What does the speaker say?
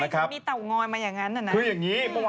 ไม่แล้วทำไมเขามีเต่างอยมาอย่างนั้นน่ะนะ